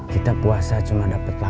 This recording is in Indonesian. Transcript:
kita puasa cuma dapet lapar